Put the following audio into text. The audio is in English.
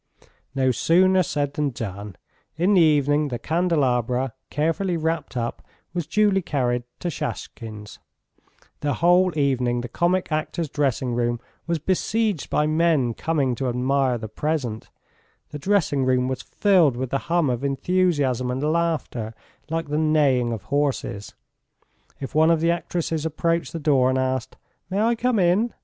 No sooner said than done. In the evening the candelabra, carefully wrapped up, was duly carried to Shashkin's. The whole evening the comic actor's dressing room was besieged by men coming to admire the present; the dressing room was filled with the hum of enthusiasm and laughter like the neighing of horses. If one of the actresses approached the door and asked: "May I come in?"